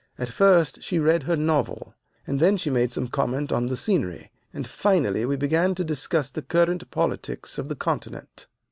At first she read her novel, and then she made some comment on the scenery, and finally we began to discuss the current politics of the Continent.